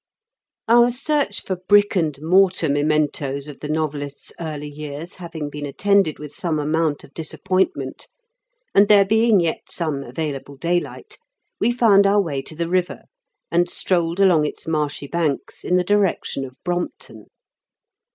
65 Our search for brick and mortar memen toes of the novelist's early years having been attended with some amount of disappointment, and there being yet some available daylight, we found our way to the river, and strolled along its marshy banks in the direction of Brompton.